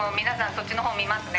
そっちのほう見ますね